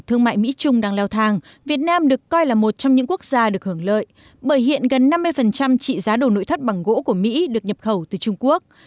thương mại mỹ trung đang leo thang việt nam được coi là một trong những quốc gia được hưởng lợi bởi hiện gần năm mươi trị giá đồ nội thất bằng gỗ của mỹ được nhập khẩu từ trung quốc